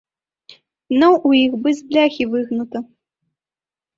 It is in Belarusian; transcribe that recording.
Дно ў іх бы з бляхі выгнута.